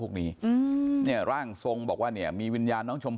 นั่งนั่งนั่งนั่งนั่งนั่งนั่งนั่งนั่งนั่งนั่งนั่งนั่งนั่ง